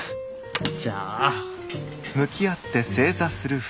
じゃあ。